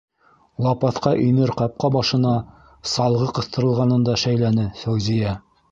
Лапаҫҡа инер ҡапҡа башына салғы ҡыҫтырылғанын да шәйләне Фәүзиә.